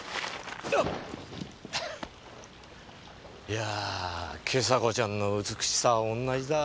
いやぁ今朝子ちゃんの美しさは同じだ。